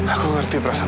aku ngerti perasaan kamu